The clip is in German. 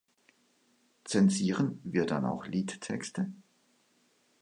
Zensieren wir dann auch Liedtexte?